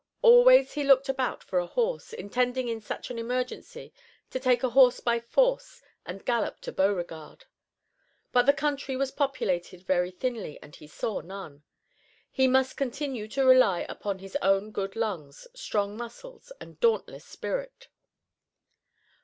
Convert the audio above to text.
Always he looked about for a horse, intending in such an emergency to take a horse by force and gallop to Beauregard. But the country was populated very thinly and he saw none. He must continue to rely upon his own good lungs, strong muscles, and dauntless spirit.